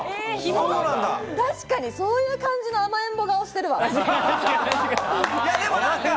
確かに、そういう感じの甘えん坊顔してるわ。